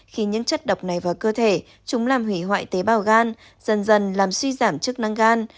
khi những chất độc này vào cơ thể chúng làm hủy hoại tế bào gan dần dần làm suy giảm chức năng gan